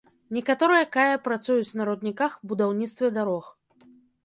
Некаторыя кая працуюць на рудніках, будаўніцтве дарог.